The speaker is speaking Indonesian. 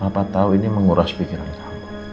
papa tau ini menguras pikiran kamu